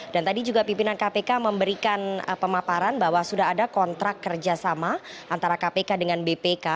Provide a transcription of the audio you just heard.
dan tadi juga pimpinan kpk memberikan pemaparan bahwa sudah ada kontrak kerjasama antara kpk dengan bpk